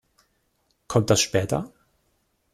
Kommt das später?